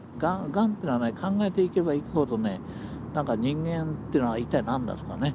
がんというのは考えていけばいくほどね何か人間ってのは一体何だとかね